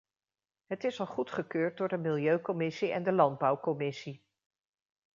Het is al goedgekeurd door de milieucommissie en de landbouwcommissie.